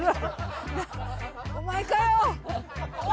お前かよ！